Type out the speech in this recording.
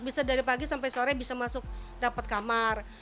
bisa dari pagi sampai sore bisa masuk dapat kamar